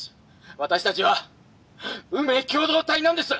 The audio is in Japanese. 私たちは運命共同体なんです！」。